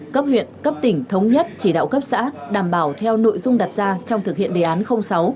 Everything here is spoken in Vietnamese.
cấp huyện cấp tỉnh thống nhất chỉ đạo cấp xã đảm bảo theo nội dung đặt ra trong thực hiện đề án sáu